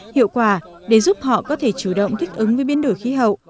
hiệu quả để giúp họ có thể chủ động thích ứng với biến đổi khí hậu